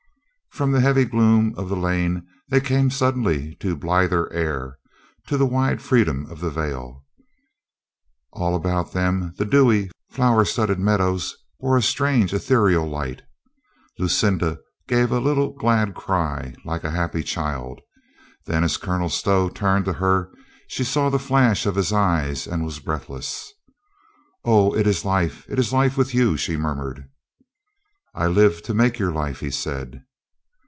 From the heavy gloom of the lane they came sud denly to blither air, to the wide freedom of the vale. All about them the dewy, flower studded meadows bore a strange ethereal light. Lucinda gave a little glad cry, like a happy child. Then, as Colonel Stow 96 COLONEL ROYSTON DESERTS A LADY 97 turned to her, she saw the flash of his eyes and was breathless. "Oh, it is life, it is life with you," she murmured. "I live to make your life," he said.